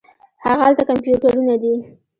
هاغلته کمپیوټرونه دي.